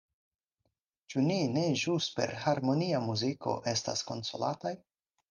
Ĉu ni ne ĵus per harmonia muziko estas konsolataj?